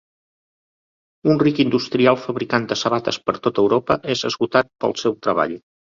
Un ric industrial, fabricant de sabates per a tota Europa, és esgotat pel seu treball.